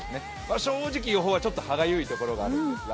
正直、予報はちょっと歯がゆいところがあるんですが。